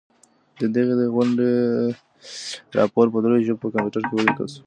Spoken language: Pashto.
د دغي غونډې راپور په درو ژبو کي په کمپیوټر کي ولیکل سو.